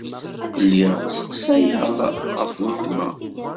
Lliɣ sseqsayeɣ ɣef weltma.